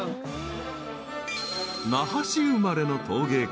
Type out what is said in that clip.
［那覇市生まれの陶芸家］